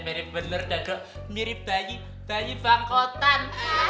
bener bener dago mirip bayi bayi bangkotan